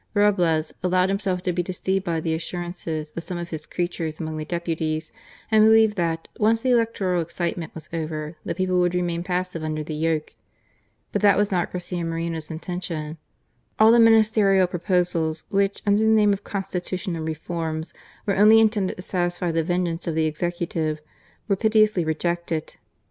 Roblez allowed himself to be deceived by the assurances of some of his creatures among the deputies, and believed that, once the electoral excitement was over, the people would remain passive under the yoke. But that was not Garcia Moreno's intention. All the Ministerial pro posals which, under the name of " Constitutional Reforms," were only intended to satisfy the ven geance of the Executive, were pitilessly rejected.